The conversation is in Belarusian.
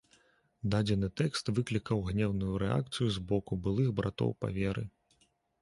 Дадзены тэкст выклікаў гнеўную рэакцыю з боку былых братоў па веры.